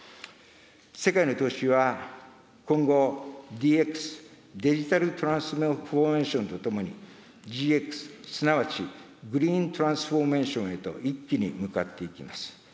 世界の投資は、ＤＸ・デジタルトランスフォーメーションとともに、ＧＸ、すなわちグリーントランスフォーメーションへと一気に向かっていきます。